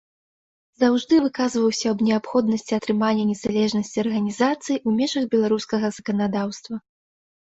Заўжды выказваўся аб неабходнасці атрымання незалежнасці арганізацыі ў межах беларускага заканадаўства.